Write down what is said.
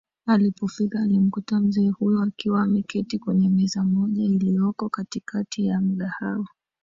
Alipofika alimkuta mzee huyo akiwa ameketi kwenye meza moja ilioko katikati ya mgahawa